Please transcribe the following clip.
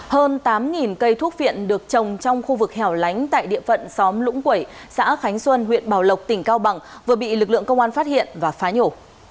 hơn tám cây thuốc viện được trồng trong khu vực hẻo lánh tại địa phận xóm lũng quẩy xã khánh xuân huyện bảo lộc tỉnh cao bằng vừa bị lực lượng công an phát hiện và phá nhổ